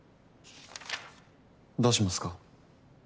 どうしますか？